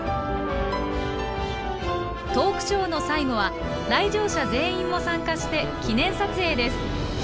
トークショーの最後は来場者全員も参加して記念撮影です。